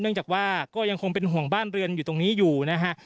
จากว่าก็ยังคงเป็นห่วงบ้านเรือนอยู่ตรงนี้อยู่นะฮะ